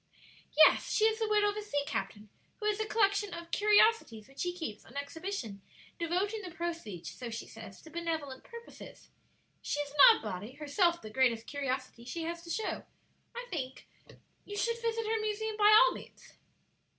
"Yes; she is the widow of a sea captain, who has a collection of curiosities which she keeps on exhibition, devoting the proceeds, so she says, to benevolent purposes. She is an odd body; herself the greatest curiosity she has to show, I think. You should visit her museum by all means."